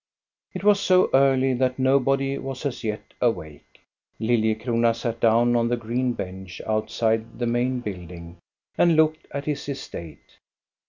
It was so early that nobody was as yet awake. Lilliecrona sat down on the green bench outside the main building and looked at his estate.